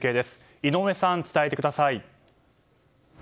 井上さん、伝えてください。